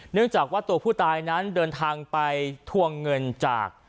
เนื่องจากว่าตัวผู้ตายนั้นเดินทางไปทวงเงินจาก